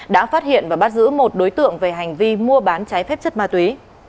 đã phát hiện và bắt giữ một đối tượng về hành vi mua bán trái phép chất ma túy